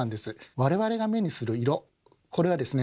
我々が目にする色これはですね